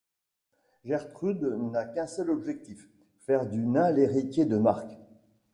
Gertrude n'a qu'un seul objectif, faire du nain l'héritier de Marc.